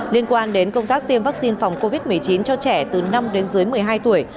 liên quan đến công tác tiêm vaccine phòng covid một mươi chín cho trẻ từ năm đến dưới một mươi hai tuổi